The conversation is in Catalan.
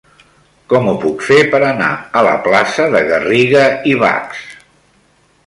Com ho puc fer per anar a la plaça de Garriga i Bachs?